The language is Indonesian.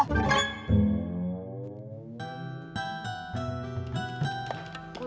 pembeli yang kecil